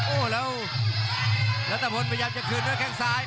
โอ้โหแล้วรัฐพลพยายามจะคืนด้วยแข้งซ้าย